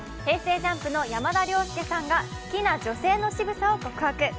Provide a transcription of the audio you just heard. ＪＵＭＰの山田涼介さんが好きな女性のしぐさを告白。